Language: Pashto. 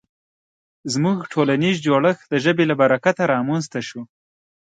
زموږ ټولنیز جوړښت د ژبې له برکته رامنځ ته شو.